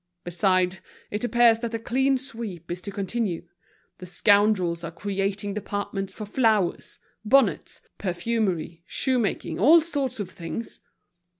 Besides, it appears that the clean sweep is to continue. The scoundrels are creating departments for flowers, bonnets, perfumery, shoemaking, all sorts of things.